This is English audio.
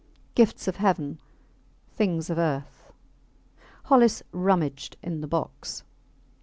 Gifts of heaven things of earth ... Hollis rummaged in the box.